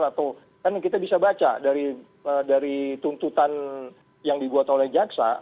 atau kan kita bisa baca dari tuntutan yang dibuat oleh jaksa